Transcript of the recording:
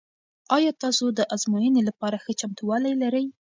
آیا تاسو د ازموینې لپاره ښه چمتووالی لرئ؟